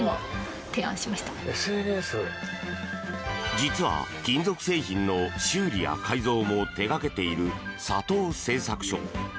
実は、金属製品の修理や改造も手掛けている佐藤製作所。